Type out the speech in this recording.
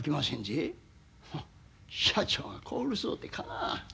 社長がこうるそうてかなわん。